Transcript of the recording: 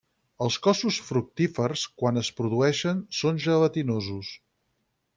Els cossos fructífers, quan es produeixen, són gelatinosos.